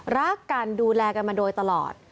รักกันดูแลกันมาโดยตลอด